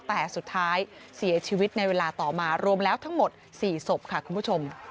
แต่สุดท้ายเสียชีวิตในเวลาต่อมารวมแล้วทั้งหมด๔ศพค่ะคุณผู้ชม